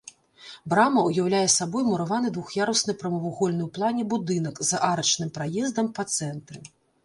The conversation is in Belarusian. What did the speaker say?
Брама ўяўляе сабой мураваны двух'ярусны прамавугольны ў плане будынак з арачным праездам па цэнтры.